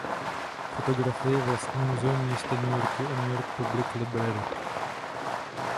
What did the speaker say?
Fotografii vlastní Muzeum města New Yorku a New York Public Library.